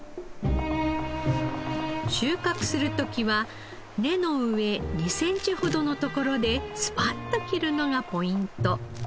収穫する時は根の上２センチほどのところでスパッと切るのがポイント。